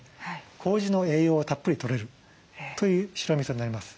こうじの栄養はたっぷりとれるという白みそになります。